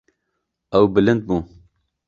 Ew bilind bû.